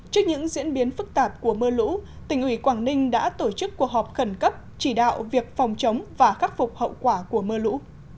trước những diễn biến phức tạp của mưa lũ tỉnh ủy quảng ninh đã tổ chức cuộc họp khẩn cấp chỉ đạo việc phòng chống và khắc phục hậu quả của mưa lũ